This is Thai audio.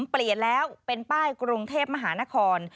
เปลี่ยนแล้วเป็นป้ายกรุงเทพมหานคร